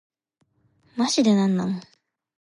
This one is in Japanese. マジでなんなん